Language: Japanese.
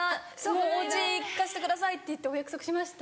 もうおうち行かしてくださいって言ってお約束しましたよね。